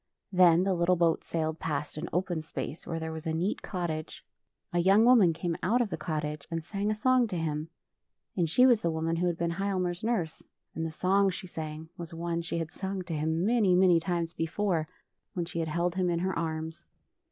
Then the little boat sailed past an open space where there was a neat cottage. A young woman came out of the cottage and sang a song to him — and she was the woman who had been Hialmar's nurse, and the song she sang was one she had sung to him many, [S6] OLE SHUT EYES many times before, when she had held him in her arms.